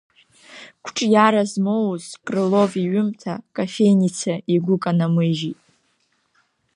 Қәҿиара змоуз Крылов иҩымҭа Кофеиница игәы канамыжьит.